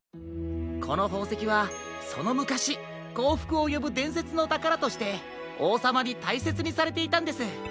このほうせきはそのむかしこうふくをよぶでんせつのたからとしておうさまにたいせつにされていたんです。